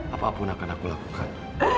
apapun akan aku lakukan